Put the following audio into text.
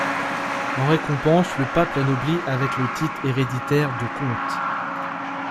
En récompense, le pape l'anoblit avec le titre héréditaire de comte.